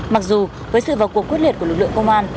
mặc dù với sự vào cuộc quyết liệt của lực lượng công an